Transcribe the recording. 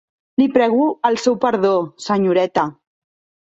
Li prego al seu perdó, senyoreta!